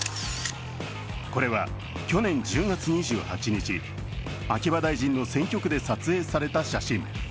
これは去年１０月２８日、秋葉大臣の選挙区で撮影された写真。